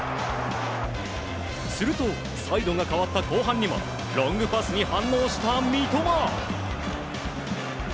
するとサイドが変わった後半にはロングパスに反応した三笘。